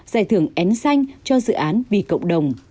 giải thưởng én xanh cho dự án vì cộng đồng